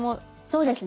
そうです。